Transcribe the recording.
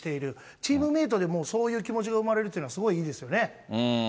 チームメートでも、そういう気持ちが生まれるというのはすごいいいですね。